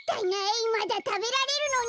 まだたべられるのに。